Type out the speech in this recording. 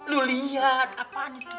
lu liat apaan itu